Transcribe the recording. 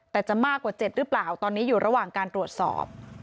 แต่จะมากกว่า๗หรือเปล่าตอนนี้อยู่ระหว่างการตรวจสอบ